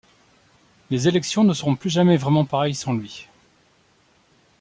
Les élections ne seront plus jamais vraiment pareilles sans lui.